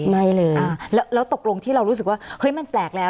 ไม่เลยแล้วตกลงที่เรารู้สึกว่าเฮ้ยมันแปลกแล้ว